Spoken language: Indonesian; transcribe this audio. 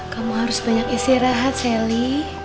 kamu harus banyak istirahat sally